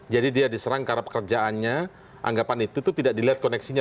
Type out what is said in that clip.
jadi dia diserang karena pekerjaannya anggapan itu tidak dilihat koneksinya